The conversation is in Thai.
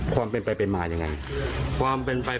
ความเป็นไปเป็นมาอย่างไร